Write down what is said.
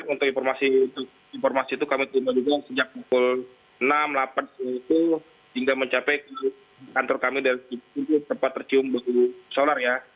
untuk informasi itu kami tuntun juga sejak pukul enam delapan hingga mencapai kantor kami di tempat tercium solar